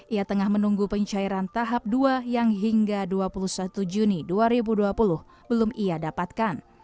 ia tengah menunggu pencairan tahap dua yang hingga dua puluh satu juni dua ribu dua puluh belum ia dapatkan